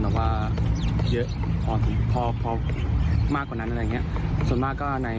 แต่ว่าเยอะพอถึงพอมากกว่านั้นอะไรอย่างเงี้ยส่วนมากก็ใน